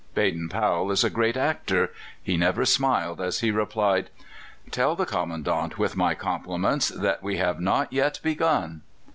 Baden Powell is a great actor; he never smiled as he replied: "Tell the Commandant, with my compliments, that we have not yet begun."